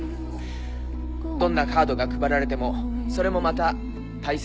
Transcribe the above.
どんなカードが配られてもそれもまた大切にしたいと思う。